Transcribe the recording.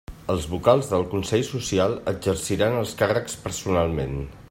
Els vocals del Consell Social exerciran els càrrecs personalment.